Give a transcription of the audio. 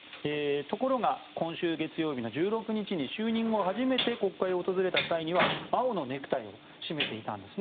ところが、今週月曜日の１６日に就任後初めて国会を訪れた際青のネクタイを締めていたんです。